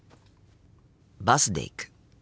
バスで行く。